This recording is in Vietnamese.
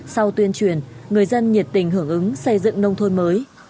sau tuyên truyền người dân nhiệt tình hưởng ứng xây dựng nông thôn mới